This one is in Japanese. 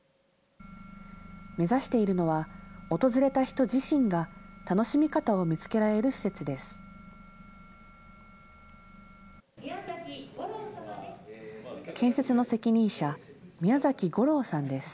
目指しているのは、訪れた人自身が楽しみ方を見つけられる施設です。